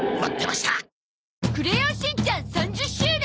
『クレヨンしんちゃん』３０周年！